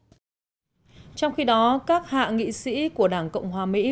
trong khi đó các hạ nghị sĩ của đảng cộng hòa mỹ